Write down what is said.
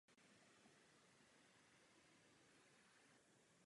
Ostrov je vulkanického původu a jeho vznik je spojen s obdobím třetihorní sopečné činnosti.